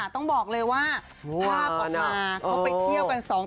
ต้องบอกเลยว่าภาพออกมาเขาไปเที่ยวกันสองคน